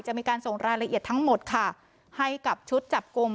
จะมีการส่งรายละเอียดทั้งหมดค่ะให้กับชุดจับกลุ่ม